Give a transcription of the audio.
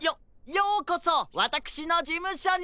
ようこそわたくしのじむしょに！